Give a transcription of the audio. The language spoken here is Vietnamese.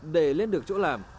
để lên được chỗ làm